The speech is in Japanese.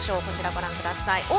こちらご覧ください。